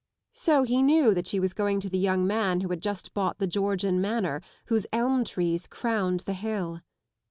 So he knew that she was going to the young man who had just bought the Georgian Manor, whose elm trees crowned the hill.